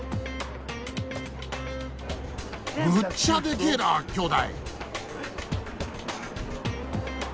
むっちゃでけえな兄弟！